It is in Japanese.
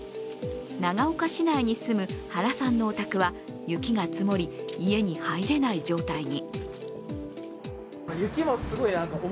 長岡市内に住む原さんのお宅は雪が積もり、家に入れない状態に。